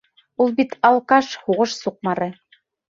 Ул бит алкаш, һуғыш суҡмары!